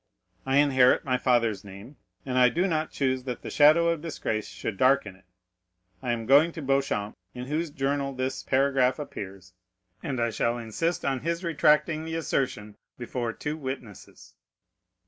I inherit my father's name, and I do not choose that the shadow of disgrace should darken it. I am going to Beauchamp, in whose journal this paragraph appears, and I shall insist on his retracting the assertion before two witnesses."